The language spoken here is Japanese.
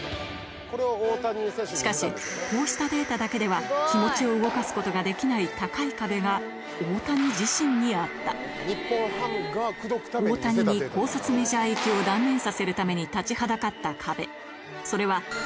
しかしこうしたデータだけでは気持ちを動かすことができない高い壁が大谷自身にあった大谷に高卒メジャー行きを断念させるために立ちはだかった壁